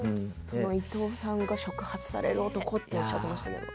伊東さんが触発される男っておっしゃってましたけど。